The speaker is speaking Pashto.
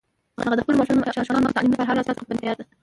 هغه د خپلو ماشومانو د تعلیم لپاره هر راز قربانی ته تیار ده